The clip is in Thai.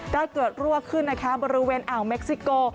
ได้เกิดรั่วขึ้นบริเวณอ่างเม็กซิโก